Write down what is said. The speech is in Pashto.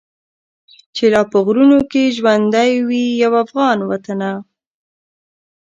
چي لا په غرونو کي ژوندی وي یو افغان وطنه.